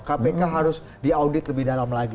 kpk harus diaudit lebih dalam lagi